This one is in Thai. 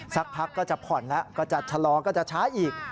สักพักก็จะผ่อนแล้วก็จะชะลอก็จะช้าอีก